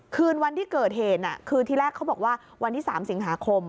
คืนวันที่เกิดเหตุคือที่แรกเขาบอกว่าวันที่๓สิงหาคม